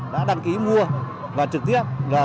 đã đăng ký mua và trực tiếp